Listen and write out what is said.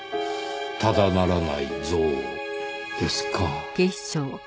ただならない憎悪ですか。